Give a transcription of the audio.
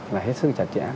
là hết sức chặt chẽ